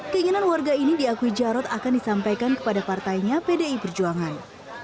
keinginan warga ini diakui jarod akan disampaikan kepada partainya pdi perjuangan